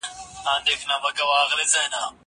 زه مخکې اوبه څښلې وې!؟